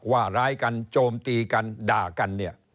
ว่าร้ายกันโจมตีกันด่ากันเนี่ย